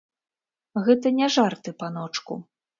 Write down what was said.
Гэта не жарты, паночку.